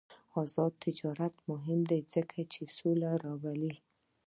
آزاد تجارت مهم دی ځکه چې سوله راولي.